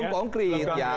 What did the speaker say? belum konkret ya